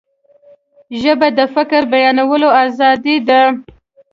ژبه د فکر بیانولو آزادي ده